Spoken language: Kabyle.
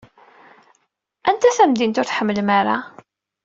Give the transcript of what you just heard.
Anta tamdint ur tḥemmlem ara?